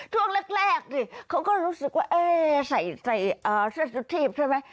ช่วงแรกดิเขาก็รู้สึกว่าใส่เสื้อซุดทีปใช่ไหม